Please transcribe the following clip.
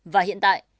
và hiện tại